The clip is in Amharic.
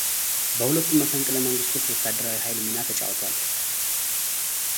በሁለቱም መፈንቅለ መንግሥቶች ወታደራዊ ኃይል ሚና ተጫውቷል።